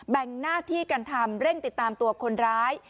งหน้าที่กันทำเร่งติดตามตัวคนร้าย